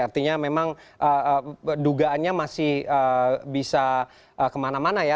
artinya memang dugaannya masih bisa kemana mana ya